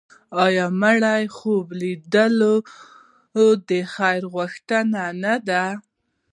آیا د مړي خوب لیدل د خیرات غوښتنه نه ده؟